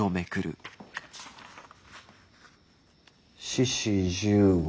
「志士十五。